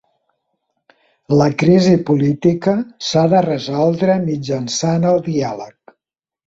La crisi política s'ha de resoldre mitjançant el diàleg.